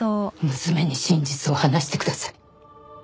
娘に真実を話してください。